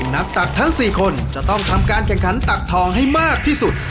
ตักทั้ง๔คนจะต้องทำการแข่งขันตักทองให้มากที่สุด